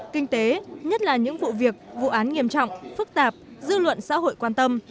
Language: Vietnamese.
kinh tế nhất là những vụ việc vụ án nghiêm trọng phức tạp dư luận xã hội quan tâm